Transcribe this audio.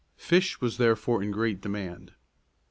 Fish was therefore in great demand.